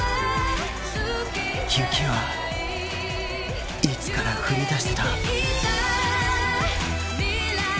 雪はいつから降り出してた？